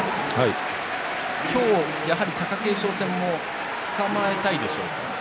今日、貴景勝戦もつかまえたいでしょうか？